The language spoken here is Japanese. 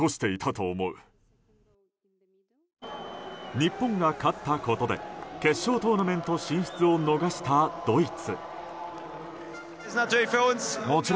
日本が勝ったことで決勝トーナメント進出を逃したドイツ。